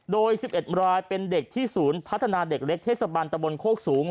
โดย๑๑รายเป็นเด็กที่ศูนย์พัฒนาเด็กเล็กเทศบันตะบนโคกสูง